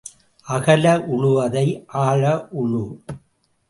அகல உழுவதை ஆழ உழு,